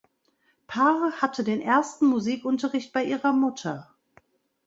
Parr hatte den ersten Musikunterricht bei ihrer Mutter.